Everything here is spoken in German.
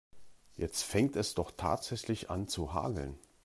Jetzt fängt es doch tatsächlich an zu hageln.